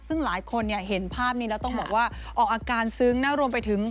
ซึ่งหลายคนเนี่ยเห็นภาพนี้แล้วต้องบอกว่าออกอาการซึ้งนะรวมไปถึง